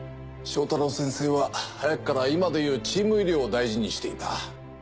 正太郎先生は早くから今でいうチーム医療を大事にしていた。